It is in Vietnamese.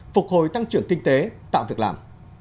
phục hồi tăng trưởng kinh tế tạo việc làm